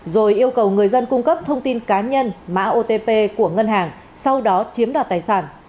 rồi yêu cầu người dân cung cấp thông tin cá nhân mã otp của ngân hàng sau đó chiếm đoạt tài sản